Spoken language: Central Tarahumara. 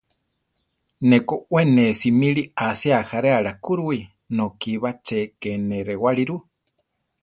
Ne ko we ne simíli ásia ajaréala kúruwi; nokí ba ché ké ne rewáli ru.